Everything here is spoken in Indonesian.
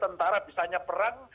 sementara bisanya perang